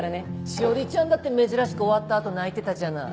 志織ちゃんだって珍しく終わった後泣いてたじゃない。